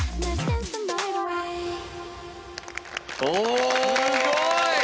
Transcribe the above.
お！